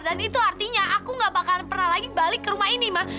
dan itu artinya aku nggak bakalan pernah lagi balik ke rumah ini ma